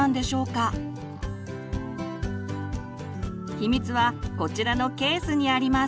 秘密はこちらのケースにあります。